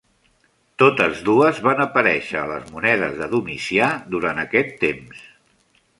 Totes dues van aparèixer a les monedes de Domicià durant aquest temps.